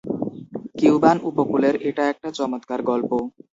Cuban উপকূলের এটা একটা চমৎকার গল্প।